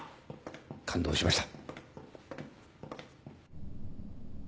感動しました。